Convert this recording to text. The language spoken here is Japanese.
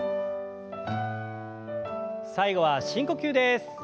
最後は深呼吸です。